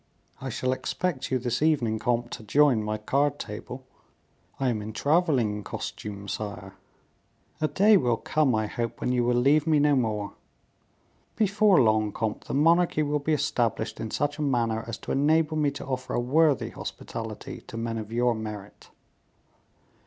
I shall expect you this evening, comte, to join my card table." "I am in traveling costume, sire." "A day will come, I hope, when you will leave me no more. Before long, comte, the monarchy will be established in such a manner as to enable me to offer a worthy hospitality to men of your merit."